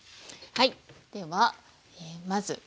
はい。